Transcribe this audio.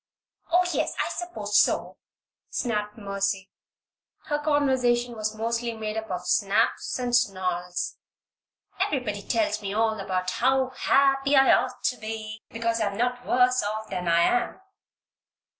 "Oh, yes! I suppose so!" snapped Mercy. Her conversation was mostly made up of snaps and snarls. "Everybody tells me all about how happy I ought to be because I'm not worse off than I am.